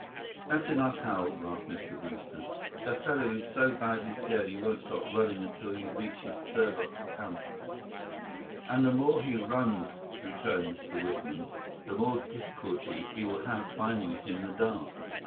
"That's enough, Hal," laughed Mr. Brewster. "The fellow is so badly scared he won't stop running until he reaches Serbot's camp." "And the more he runs," returned Mr. Whitman, "the more difficulty he will have finding it in the dark.